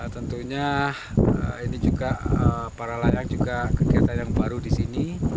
tentunya para layang juga kegiatan yang baru di sini